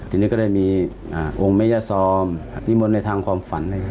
ทีนี้ก็ได้มีองค์แม่ยาซอมนิมนต์ในทางความฝัน